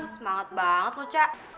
semangat banget tuh ca